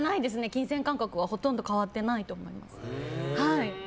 金銭感覚はほとんど変わってないと思います。